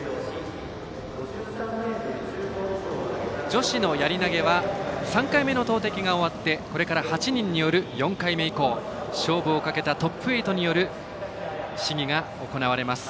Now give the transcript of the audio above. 女子のやり投げは３回目の投てきが終わってこれから８人による４回目以降、勝負をかけたトップ８による試技が行われます。